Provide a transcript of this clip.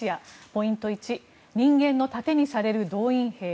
ポイント１人間の盾にされる動員兵。